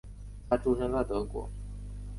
他出生在德国。